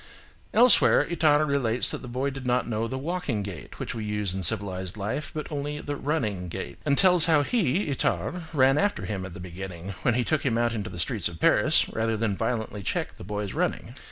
Elsewhere, Itard relates that the boy did not know the walking gait which we use in civilised life, but only the running gait, and tells how he, Itard, ran after him at the beginning, when he took him out into the streets of Paris, rather than violently check the boy's running.